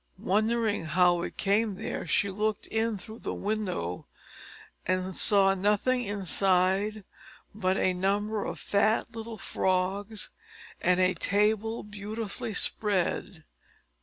Wondering how it came there, she looked in through the window, and saw nothing inside but a number of fat little frogs, and a table beautifully spread.